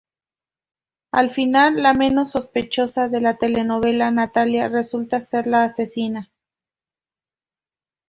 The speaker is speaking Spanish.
Al final la menos sospechosa de la telenovela, Natalia, resulta ser la asesina.